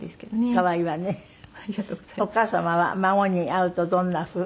お母様は孫に会うとどんなふう？